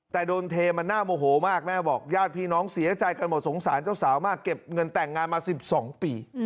แต่โดนเทมันน่าโมโหมากแม่บอกญาติพี่น้องเสียใจกันหมดสงสารเจ้าสาวมากเก็บเงินแต่งงานมา๑๒ปี